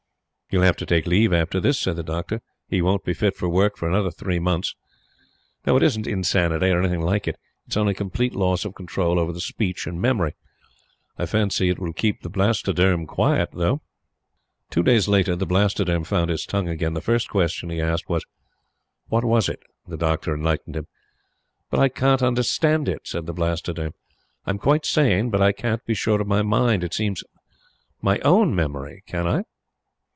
"He'll have to take leave after this," said the Doctor. "He won't be fit for work for another three months. No; it isn't insanity or anything like it. It's only complete loss of control over the speech and memory. I fancy it will keep the Blastoderm quiet, though." Two days later, the Blastoderm found his tongue again. The first question he asked was: "What was it?" The Doctor enlightened him. "But I can't understand it!" said the Blastoderm; "I'm quite sane; but I can't be sure of my mind, it seems my OWN memory can I?"